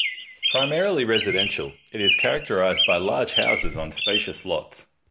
Primarily residential, it is characterized by large houses on spacious lots.